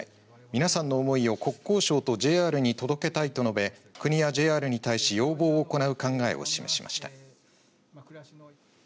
皆さんの思いを国交省とＪＲに届けたいとのべ国やＪＲに対し要望を行う考えを示しました。